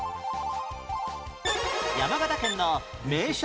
山形県の名所問題